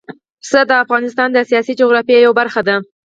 پسه د افغانستان د سیاسي جغرافیه یوه برخه ده.